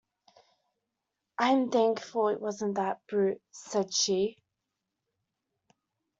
“I’m thankful it wasn’t that brute,” said she.